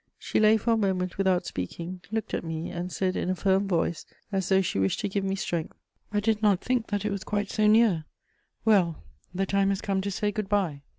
She lay for a moment without speaking, looked at me, and said in a firm voice, as though she wished to give me strength: "I did not think that it was quite so near; well, the time has come to say good bye.